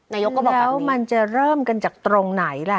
นายกก็บอกแบบนี้แล้วจะเริ่มจากตรงไหนล่ะ